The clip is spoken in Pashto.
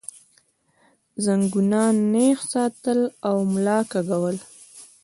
زنګونان نېغ ساتل او ملا کږول